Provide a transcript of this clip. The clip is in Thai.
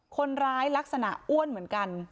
คนร้ายลักษณะอ้วนเหมือนกัน